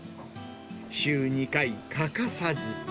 週２回、欠かさず。